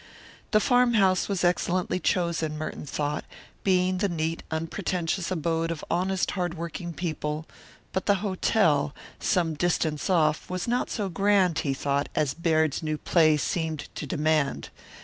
The farmhouse was excellently chosen, Merton thought, being the neat, unpretentious abode of honest, hard working people; but the hotel, some distance off, was not so grand, he thought, as Baird's new play seemed to demand.